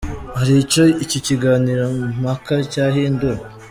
Hari icyo iki kiganiro mpaka cyahindura? .